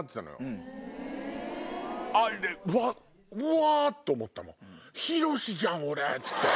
うわ！と思ったもん。